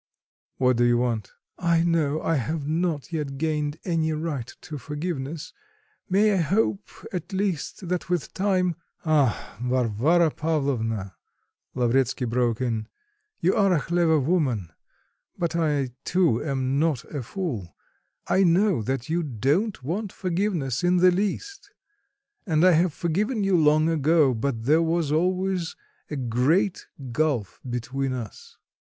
"What do you want?" "I know, I have not yet gained any right to forgiveness; may I hope at least that with time " "Ah, Varvara Pavlovna," Lavretsky broke in, "you are a clever woman, but I too am not a fool; I know that you don't want forgiveness in the least. And I have forgiven you long ago; but there was always a great gulf between us."